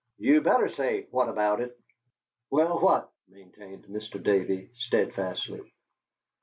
"You better say, 'What about it?'" "Well, what?" maintained Mr. Davey, steadfastly.